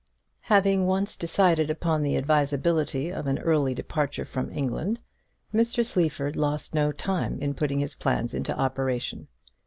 Having once decided upon the advisability of an early departure from England, Mr. Sleaford lost no time in putting his plans into operation.